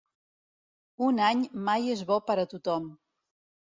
Un any mai és bo per a tothom.